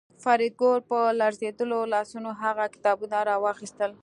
فریدګل په لړزېدلو لاسونو هغه کتابونه راواخیستل